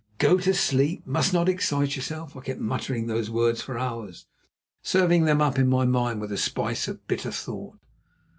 "Go to sleep. Must not excite yourself." I kept muttering those words for hours, serving them up in my mind with a spice of bitter thought.